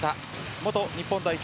元日本代表